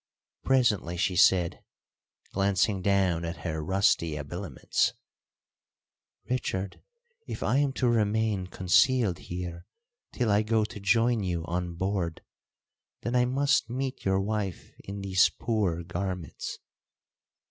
Presently she said, glancing down at her rusty habiliments, "Richard, if I am to remain concealed here till I go to join you on board, then I must meet your wife in these poor garments."